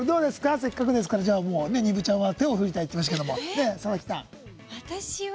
せっかくですから丹生ちゃんは手を振りたいと言ってましたが。